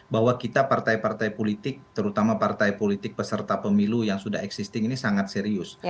bahwa kita partai partai politik terutama partai politik peserta pemilu yang sudah existing ini sangat serius